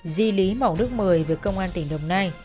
di lý mẫu nước một mươi về công an tỉnh đồng nai